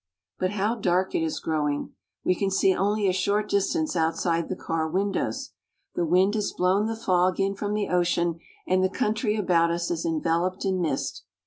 But how dark it is growing ! We can see only a short distance outside the car windows. The wind has blown the fog in from the ocean, and the country about us is enveloped in mist.